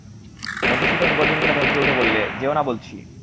মধুসূদন গর্জন করে ধমকে উঠে বললে, যেয়ো না বলছি।